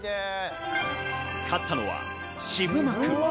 勝ったのは渋幕！